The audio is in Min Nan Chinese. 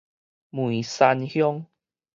梅山鄉